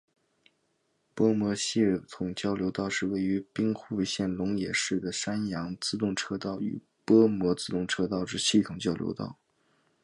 播磨系统交流道是位于兵库县龙野市的山阳自动车道与播磨自动车道之系统交流道。